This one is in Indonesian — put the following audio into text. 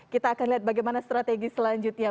kita akan lihat bagaimana strategi selanjutnya